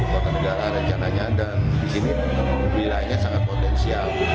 kota negara rencananya dan di sini wilayahnya sangat potensial